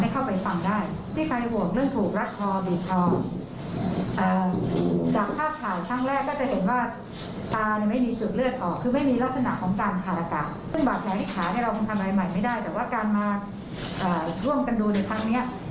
ชักของบาดแหละที่มีลักษณะเฉพาะนะคะซึ่งตรงเนี้ยอ่าคงจะต้อง